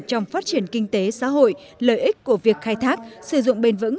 trong phát triển kinh tế xã hội lợi ích của việc khai thác sử dụng bền vững